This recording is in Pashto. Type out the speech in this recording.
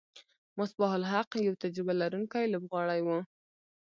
مصباح الحق یو تجربه لرونکی لوبغاړی وو.